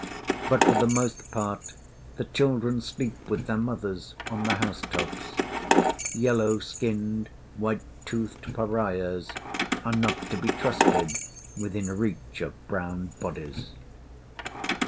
But, for the most part, the children sleep with their mothers on the house tops. Yellow skinned white toothed pariahs are not to be trusted within reach of brown bodies.